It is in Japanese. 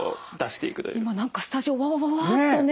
今何かスタジオわわわわっとね。